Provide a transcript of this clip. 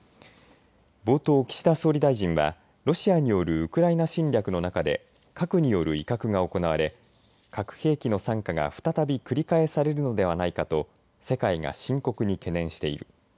冒頭、岸田総理大臣はロシアによるウクライナ侵略の中で核による威嚇が行われ核兵器の惨禍が再び繰り返されるのではないかと世界が深刻に懸念している。